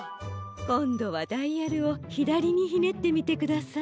こんどはダイヤルをひだりにひねってみてください。